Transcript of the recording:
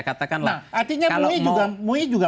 katakanlah artinya mui juga